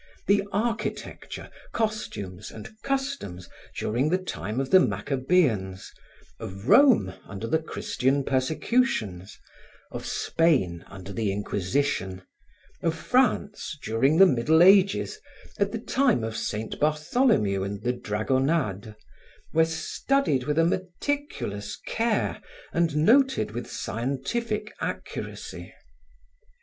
The architecture, costumes and customs during the time of the Maccabeans, of Rome under the Christian persecutions, of Spain under the Inquisition, of France during the Middle Ages, at the time of Saint Bartholomew and the Dragonnades, were studied with a meticulous care and noted with scientific accuracy.